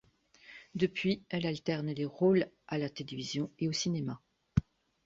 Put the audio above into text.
Depuis elle alterne rôles à la télévision et au cinéma.